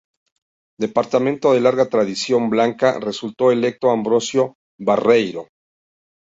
Departamento de larga tradición blanca; resultó electo Ambrosio Barreiro.